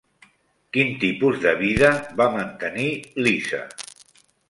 Quin tipus de vida va mantenir Lisa?